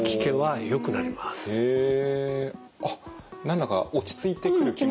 あっ何だか落ち着いてくる気も。